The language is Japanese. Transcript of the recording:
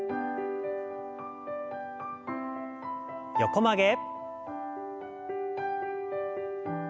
横曲げ。